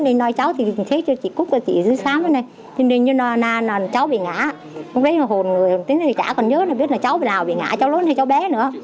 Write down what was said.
nên nói cháu thì cháu bị ngã cháu còn nhớ cháu bị nào bị ngã cháu lớn hay cháu bé nữa